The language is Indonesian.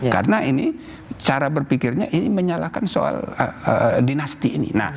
karena ini cara berpikirnya ini menyalahkan soal dinasti ini